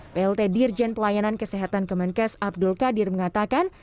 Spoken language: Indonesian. plt dirjen pelayanan kesehatan kemenkes abdul qadir mengatakan